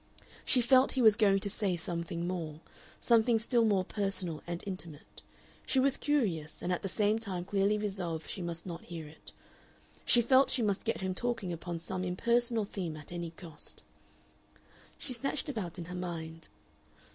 She felt he was going to say something more something still more personal and intimate. She was curious, and at the same time clearly resolved she must not hear it. She felt she must get him talking upon some impersonal theme at any cost. She snatched about in her mind.